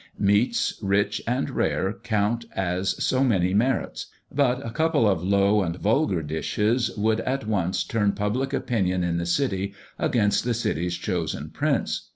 Meats rich and rare count as so many merits; but a couple of low and vulgar dishes would at once turn public opinion in the City against the City's chosen prince.